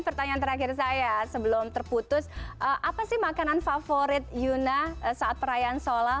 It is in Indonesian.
pertanyaan terakhir saya sebelum terputus apa sih makanan favorit yuna saat perayaan solal